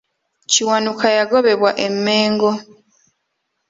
Kiwanuka yagobebwa e Mengo.